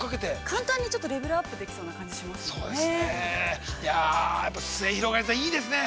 簡単にレベルアップできそうな感じしますもんね。